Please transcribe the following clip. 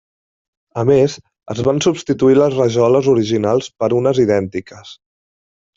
A més, es van substituir les rajoles originals per unes idèntiques.